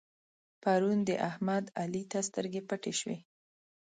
پرون د احمد؛ علي ته سترګې پټې شوې.